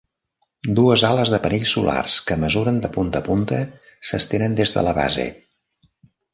Dues ales de panells solars que mesuren de punta a punta s'estenen des de la base.